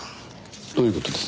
どういう事です？